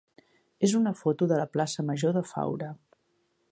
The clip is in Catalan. és una foto de la plaça major de Faura.